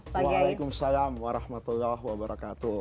waalaikumsalam warahmatullahi wabarakatuh